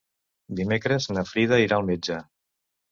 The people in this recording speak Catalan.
Dimecres na Frida irà al metge.